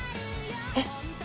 えっ？